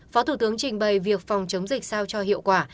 phó thủ tướng trình bày việc phòng chống dịch sao cho hiệu quả